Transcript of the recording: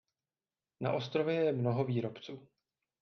Na ostrově je mnoho výrobců.